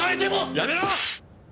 やめろ！